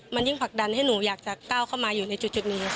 มันยิ่งผลักดันให้หนูอยากจะก้าวเข้ามาอยู่ในจุดนี้ค่ะ